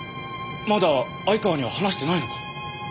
まだ相川には話してないのか？